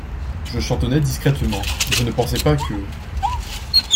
Je chantonnais discrètement, je ne pensais pas que …